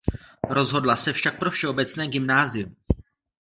Rozhodla se však pro všeobecné gymnázium.